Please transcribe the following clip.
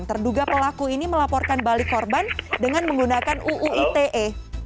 terduga pelaku ini melaporkan balik korban dengan menggunakan uu ite